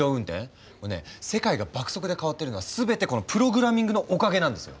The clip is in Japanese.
もうね世界が爆速で変わってるのは全てこのプログラミングのおかげなんですよ。